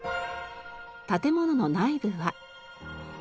建物の内部は。